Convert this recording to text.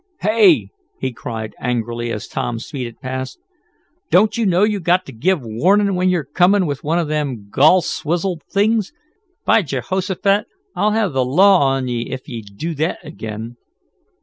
"Hey!" he cried, angrily, as Tom speeded past, "don't you know you got to give warnin' when you're comin' with one of them ther gol swizzled things! By Jehossephat I'll have th' law on ye ef ye do thet ag'in!"